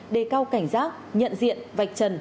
đề cao cảnh giác nhận diện vạch trần